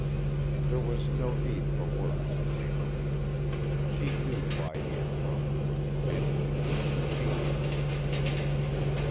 There was no need for words between them. She knew why he had come and he knew that she knew.